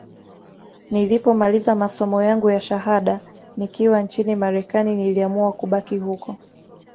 Nilipomaliza masomo yangu ya shahada nikiwa nchini Marekani niliamua kubaki huko